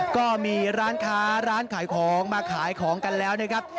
ก็มีร้านค้าร้านขายของมาขายของกันแล้วนะครับ